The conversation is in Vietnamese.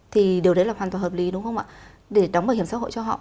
thì điều đấy là hoàn toàn hợp lý đúng không ạ để đóng bảo hiểm xã hội cho họ